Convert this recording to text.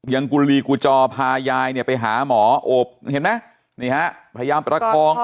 กุลีกูจอพายายเนี่ยไปหาหมอโอบเห็นไหมนี่ฮะพยายามประคอง